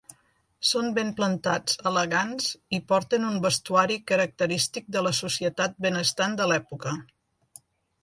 Són ben plantats, elegants i porten un vestuari característic de la societat benestant de l'època.